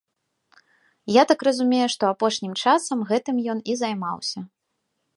Я так разумею, што апошнім часам гэтым ён і займаўся.